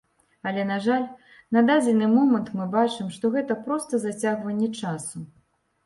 Але, на жаль, на дадзены момант мы бачым, што гэта проста зацягванне часу.